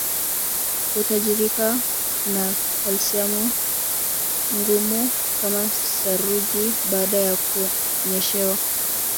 Hutajirika na kalsiamu ngumu kama saruji baada ya kunyeshewa